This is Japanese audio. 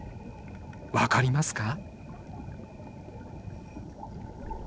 分かりますか？